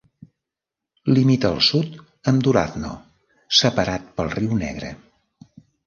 Limita al sud amb Durazno, separat pel riu Negre.